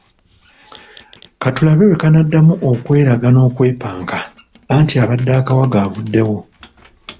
Ka tulabe bwe kanaddamu okweraga n'okwepanka, anti abadde akawaga avuddewo.